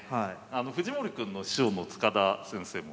藤森君の師匠の塚田先生もね